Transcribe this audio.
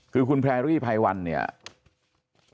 คือคุณแพรรี่ไพวันเพื่อนนี่